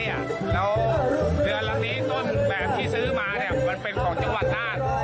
แล้วเรือลำนี้ต้นแบบที่ซื้อมามันเป็นของจังหวัดน่าน